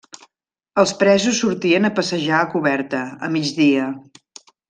Els presos sortien a passejar a coberta, a migdia.